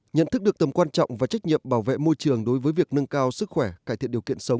nhận thức được tầm quan trọng và trách nhiệm bảo vệ môi trường đối với việc nâng cao sức khỏe cải thiện điều kiện sống